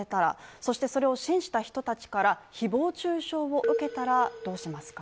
そしてそれを信じた人たちから誹謗中傷を受けたらどうしますか？